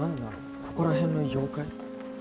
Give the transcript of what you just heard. ここら辺の妖怪？